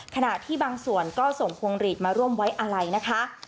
ขณะที่บางส่วนก็ส่งพวงหลีดมาร่วมไว้อะไรนะคะ